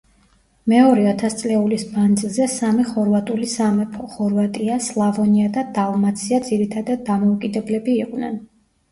მეორე ათასწლეულის მანძილზე სამი ხორვატული სამეფო: ხორვატია, სლავონია და დალმაცია ძირითადად დამოუკიდებლები იყვნენ.